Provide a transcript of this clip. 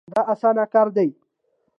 دا اسانه کار نه دی.